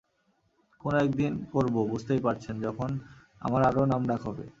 কোনো একদিন করব, বুঝতেই পারছেন, যখন আমার আরো নামডাক হবে।